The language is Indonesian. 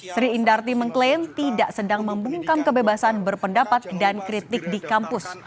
sri indarti mengklaim tidak sedang membungkam kebebasan berpendapat dan kritik di kampus